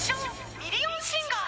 ミリオンシンガー